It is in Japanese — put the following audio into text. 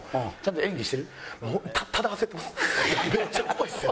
めっちゃ怖いですよ。